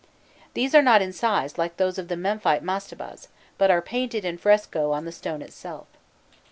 These are not incised like those of the Memphite mastabas, but are painted in fresco on the stone itself.